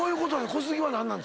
小杉は何なん？